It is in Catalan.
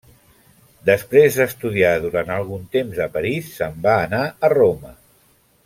Després d'estudiar durant algun temps a París, se'n va anar a Roma.